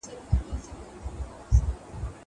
کافرانو پر خپلو ځانونو ظلم کړی دی.